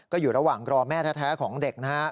ก็อยู่ระหว่างรอแม่แท้ของเด็กนะฮะ